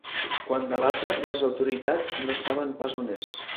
Quant a l’altre, les autoritats no saben pas on és.